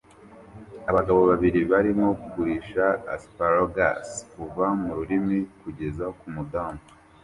Abagabo babiri barimo kugurisha asparagus kuva muririma kugeza kumudamu